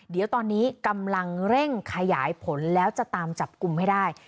เดี๋ยวตอนนี้กำลังเร่งขยายผลแล้วจะตามจับกลุ่มให้ได้